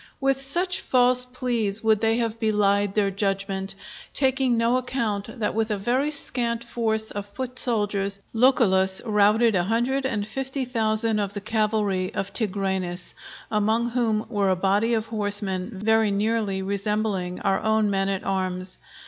With such false pleas would they have belied their judgment, taking no account that with a very scanty force of foot soldiers, Lucullus routed a hundred and fifty thousand of the cavalry of Tigranes, among whom were a body of horsemen very nearly resembling our own men at arms.